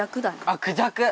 あっクジャク！